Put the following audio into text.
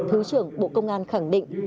thứ trưởng bộ công an khẳng định